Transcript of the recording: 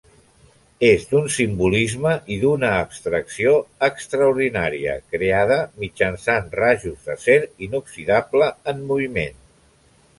És d'un simbolisme i d'una abstracció extraordinària creada mitjançant rajos d'acer inoxidable en moviment.